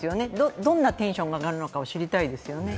どんなテンションが上がるのかを知りたいですよね。